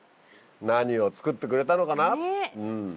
何を作ってくれたのかな？